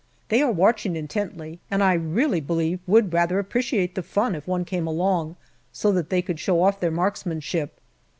They are watching intently, and I really believe would rather appreciate the fun if one came along, so that they could show off their marksmanship.